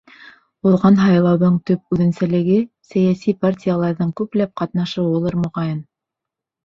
— Уҙған һайлауҙың төп үҙенсәлеге — сәйәси партияларҙың күпләп ҡатнашыуылыр, моғайын.